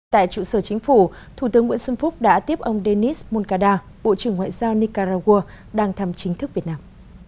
tại trụ sở chính phủ thủ tướng nguyễn xuân phúc đã tiếp ông denis munkada bộ trưởng ngoại giao nicaragua đang thăm chính thức việt nam